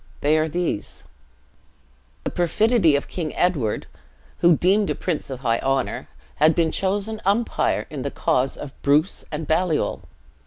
They are these: The perfidy of King Edward, who, deemed a prince of high honor, had been chosen umpire in the cause of Bruce and Baliol.